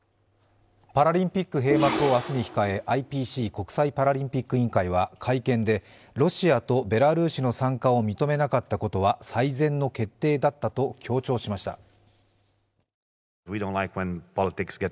パラリンピック閉幕を明日に控えＩＰＣ＝国際パラリンピック委員会は会見でロシアとベラルーシの参加を認めなかったことは最善の決定だったと協調しました。